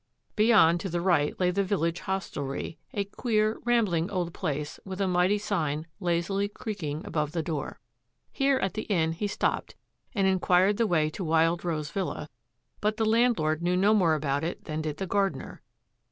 Beyond to the right lay the village hostelry, a queer, rambling old place with a mighty sign lazily creaking above the door. Here at the inn he stopped and inquired the way to Wild Rose Villa, but the landlord knew no more about it than did the gardener.